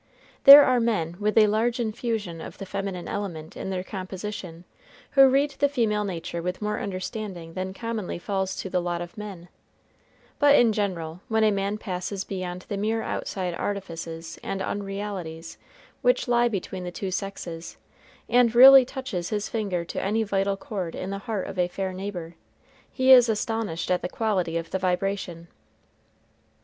There are men with a large infusion of the feminine element in their composition who read the female nature with more understanding than commonly falls to the lot of men; but in general, when a man passes beyond the mere outside artifices and unrealities which lie between the two sexes, and really touches his finger to any vital chord in the heart of a fair neighbor, he is astonished at the quality of the vibration.